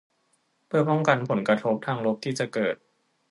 เพื่อป้องกันผลกระทบทางลบที่จะเกิด